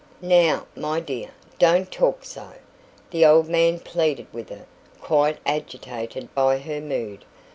"Now, my dear, don't talk so," the old man pleaded with her, quite agitated by her mood.